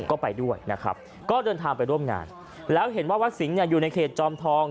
ก็ไปด้วยนะครับก็เดินทางไปร่วมงานแล้วเห็นว่าวัดสิงห์เนี่ยอยู่ในเขตจอมทอง